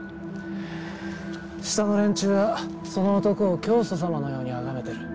下の連中はその男を教祖様のようにあがめてる。